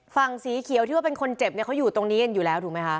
สีเขียวที่ว่าเป็นคนเจ็บเนี่ยเขาอยู่ตรงนี้กันอยู่แล้วถูกไหมคะ